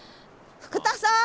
福田さん。